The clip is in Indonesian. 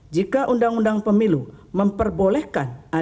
jika undang undang pemilu memperbolehkan